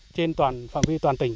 trên toàn phạm vi toàn tỉnh